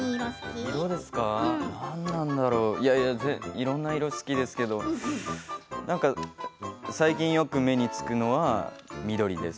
いろんな色、好きですけどなんか、最近、よく目につくのは緑です。